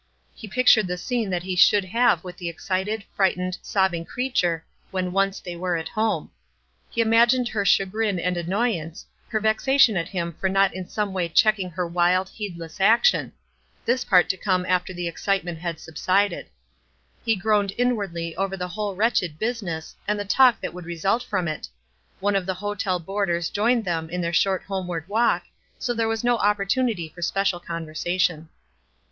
He pictured the scene that he should have with the excited, frightened, sobbing creature when once they were at home. He imagined her chagrin and annoyance, her vexation at him for not in some wav checking her wild. hopr!]r>^ ..,.♦;.,,,_ 342 WISE AND OTHERWISE. this part to come after the excitement had sub sided. He groaned inwardly over the whole wretched business and the talk that would re sult from it. One of the hotel boarders joined them in their short homeward walk, so there was no opportunity for special conversation.